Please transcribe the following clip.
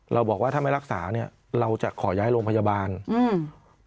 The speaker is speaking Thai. เราบอกว่าถ้าไม่รักษาเนี้ยเราจะขอย้ายโรงพยาบาลอืม